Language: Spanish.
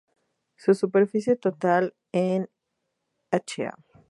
Su superficie total en Ha.